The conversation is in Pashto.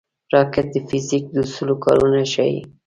راکټ د فزیک د اصولو کارونه ښيي